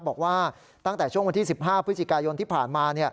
บอกว่าตั้งแต่ช่วงวันที่๑๕พฤศจิกายนที่ผ่านมา